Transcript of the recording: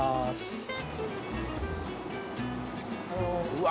うわ。